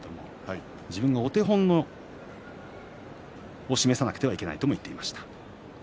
自分がお手本を示さなければいけないとも言っていました。